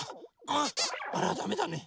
あらダメだね。